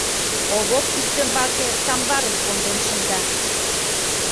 Овоп ӱстембаке самбарым конден шында.